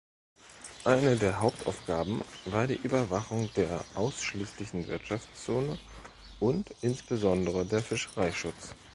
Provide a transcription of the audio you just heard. Eine der Hauptaufgaben war die Überwachung der Ausschließlichen Wirtschaftszone und insbesondere der Fischereischutz.